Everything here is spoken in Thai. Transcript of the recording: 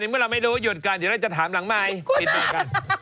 เดี๋ยวเราจะถามหลังไมค์